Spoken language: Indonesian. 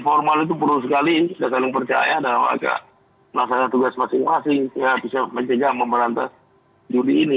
ya bisa mencegah memberantas judi ini